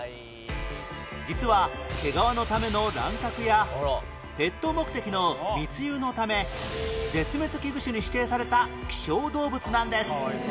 実は毛皮のための乱獲やペット目的の密輸のため絶滅危惧種に指定された希少動物なんです